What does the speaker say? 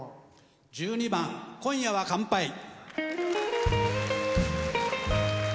１２番「今夜は乾杯」。